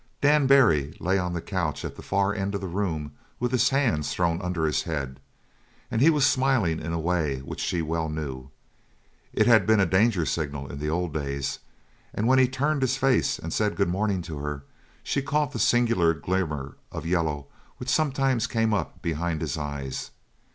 Dan Barry lay on the couch at the far end of the room with his hands thrown under his head, and he was smiling in a way which she well knew; it had been a danger signal in the old days, and when he turned his face and said good morning to her, she caught that singular glimmer of yellow which sometimes came up behind his eyes.